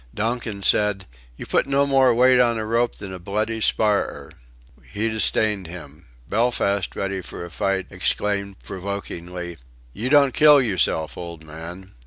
Donkin said: "You put no more weight on a rope than a bloody sparrer." He disdained him. Belfast, ready for a fight, exclaimed provokingly: "You don't kill yourself, old man!"